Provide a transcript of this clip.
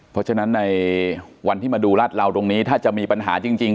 เพราะฉะนั้นในวันที่มาดูรัดเราตรงนี้ถ้าจะมีปัญหาจริง